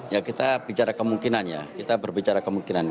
ya kita bicara kemungkinan ya kita berbicara kemungkinan